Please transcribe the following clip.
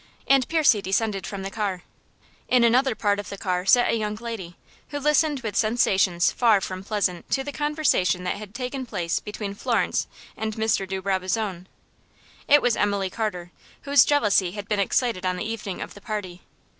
And Percy descended from the car. In another part of the car sat a young lady, who listened with sensations far from pleasant to the conversation that had taken place between Florence and Mr. de Brabazon. It was Emily Carter, whose jealousy had been excited on the evening of the party.